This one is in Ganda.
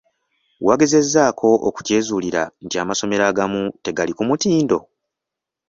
Wagezezzaako okukyezuulira nti amasomero agamu tegali ku mutindo?